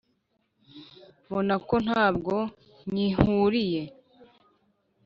Mbona ko ntabwo nkihikuye.